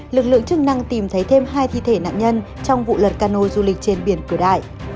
lực lượng chức năng tìm thấy thêm hai thi thể nạn nhân trong vụ lật cano du lịch trên biển cửa đại